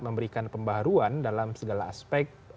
memberikan pembaruan dalam segala aspek